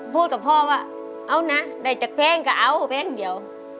กับพ่อว่าเอานะได้จากเพลงก็เอาเพลงเดียว